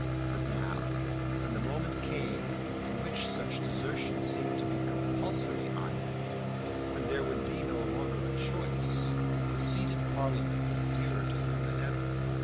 But now, when the moment came in which such desertion seemed to be compulsory on him, when there would be no longer a choice, the seat in Parliament was dearer to him than ever.